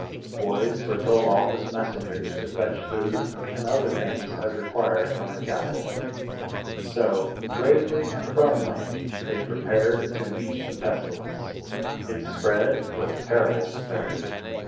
Boys were told off as messengers to fetch food and other things as required from the castle. So, bravely and firmly, they prepared to meet the pestilence; it spread with terrible severity.